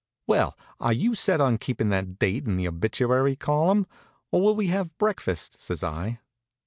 "Well, are you set on keepin' that date in the obituary column, or will we have breakfast?" says I.